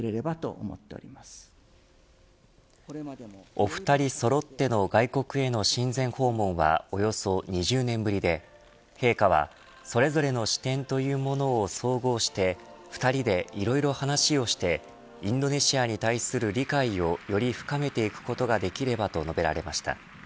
お二人そろっての外国への親善訪問はおよそ２０年ぶりで陛下はそれぞれの視点というものを総合して２人で色々お話をしてインドネシアに対する理解をより深めていくことができればと述べられました。